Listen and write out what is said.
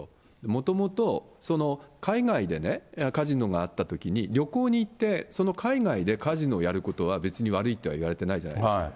もともと海外でカジノがあったときに、旅行に行って、その海外でカジノをやることは別に悪いとは言われてないじゃないですか。